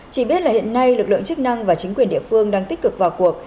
chỉ biết là hiện nay lực lượng chức năng và chính quyền địa phương đang tích cực vào cuộc